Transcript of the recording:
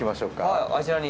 はいあちらに。